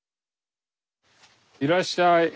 いらっしゃい。